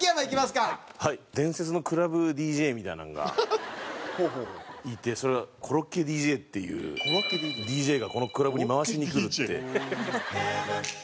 伝説のクラブＤＪみたいなのがいてそれがコロッケＤＪっていうＤＪがこのクラブに回しに来るって。